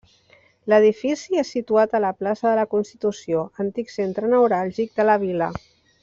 L'edifici és situat a la plaça de la constitució, antic centre neuràlgic de la vila.